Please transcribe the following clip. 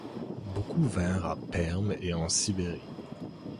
Beaucoup vinrent à Perm et en Sibérie.